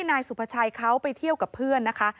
นายสุภาชัยเขาไปเที่ยวกับเพื่อนนะคะ